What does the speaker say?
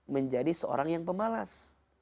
menjadi seorang yang pemalas